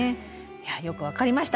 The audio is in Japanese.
いやよく分かりました。